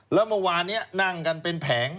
แล้วเมื่อวานนี้นั่งกันเป็นแผง